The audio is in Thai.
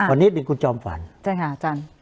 วันนี้เป็นคุณจอมฝันใช่ค่ะอาจารย์